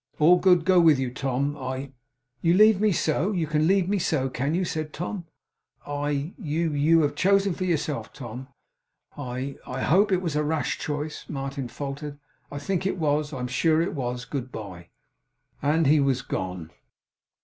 All good go with you, Tom! I ' 'You leave me so? You can leave me so, can you?' said Tom. 'I you you have chosen for yourself, Tom! I I hope it was a rash choice,' Martin faltered. 'I think it was. I am sure it was! Good bye!' And he was gone.